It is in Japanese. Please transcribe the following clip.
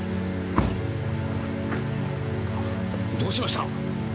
どうしました？